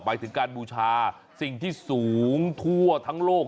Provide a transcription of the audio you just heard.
หมายถึงการบูชาสิ่งที่สูงทั่วทั้งโลก